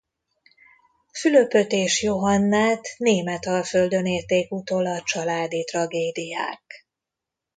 Fülöpöt és Johannát Németalföldön érték utol a családi tragédiák.